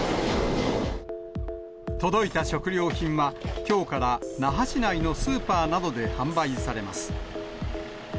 届いた食料品は、きょうから那覇市内のスーパーなどで販売されます。